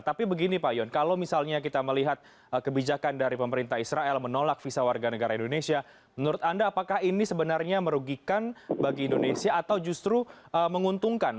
tapi begini pak yon kalau misalnya kita melihat kebijakan dari pemerintah israel menolak visa warga negara indonesia menurut anda apakah ini sebenarnya merugikan bagi indonesia atau justru menguntungkan